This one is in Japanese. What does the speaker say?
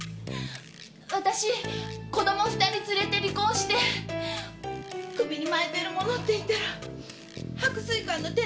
私子供２人連れて離婚して首に巻いてるものっていったら白水館の手ぬぐいぐらいで。